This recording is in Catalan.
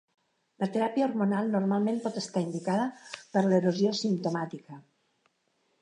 La teràpia hormonal normalment pot estar indicada per l'erosió simptomàtica.